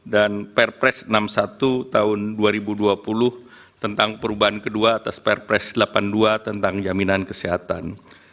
dan perpres enam puluh satu tahun dua ribu dua puluh tentang perubahan kedua atas perpres delapan puluh dua tentang jaminan kesehatan